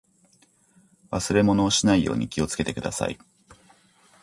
忘れ物をしないように気をつけてください。